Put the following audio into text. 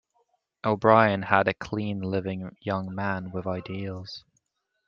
O'Brien had been a clean living young man with ideals.